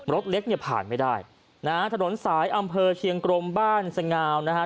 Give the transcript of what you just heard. รถเล็กเนี่ยผ่านไม่ได้นะฮะถนนสายอำเภอเชียงกรมบ้านสงาวนะฮะ